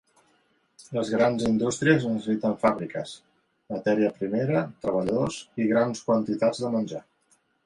Les grans indústries necessiten fàbriques, matèria primera, treballadors i grans quantitats de menjar.